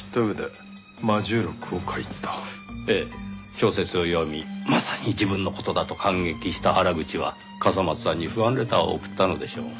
小説を読みまさに自分の事だと感激した原口は笠松さんにファンレターを送ったのでしょう。